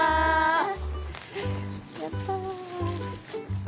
やった。